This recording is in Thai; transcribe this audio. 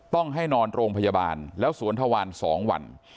ต้องให้นอนโรงพยาบาลแล้วสวนทวาร๒วัน